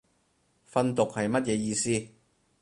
訓讀係乜嘢意思